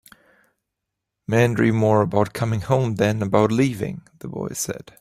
"Men dream more about coming home than about leaving," the boy said.